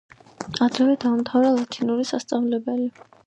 ადრევე დაამთავრა ლათინური სასწავლებელი.